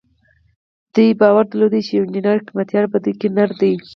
دوی باور درلود چې يو انجنير حکمتیار په دوی کې نر دی.